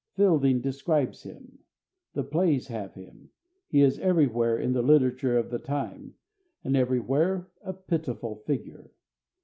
Fielding describes him. The plays have him. He is everywhere in the literature of the time, and everywhere a pitiful figure.